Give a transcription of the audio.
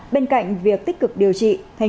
bên cạnh việc tích cực điều trị